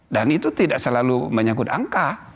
dan itu tidak selalu menyangkut angka